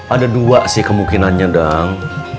ada dua sih kemungkinannya dong